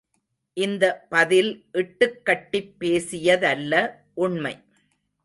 இந்த பதில் இட்டுக் கட்டிப் பேசிதல்ல உண்மை.